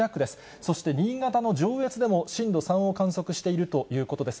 そして新潟の上越でも震度３を観測しているということです。